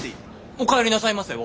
「おかえりなさいませ」は？